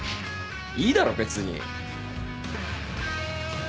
いいだろ別に。